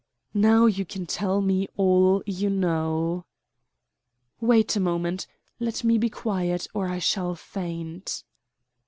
"Now you can tell me all you know." "Wait a moment. Let me be quiet, or I shall faint."